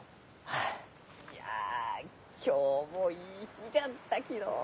あいや今日もいい日じゃったきのう！